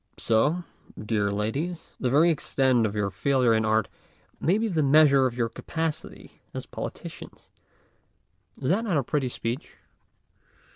So, dear ladies, the very extent of your failure in art may be the measure of your capacity as politicians ! Is not that a pretty speech?